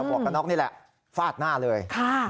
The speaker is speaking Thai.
วกกระน็อกนี่แหละฟาดหน้าเลย